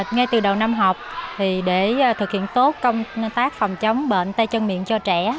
ngay từ đầu năm học để thực hiện tốt công tác phòng chống bệnh tay chân miệng cho trẻ